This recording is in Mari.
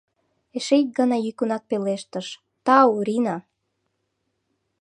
Эше ик гана йӱкынак пелештыш: — Тау, Рина!